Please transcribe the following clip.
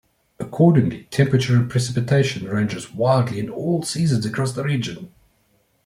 Accordingly, temperature and precipitation ranges wildly in all seasons across the region.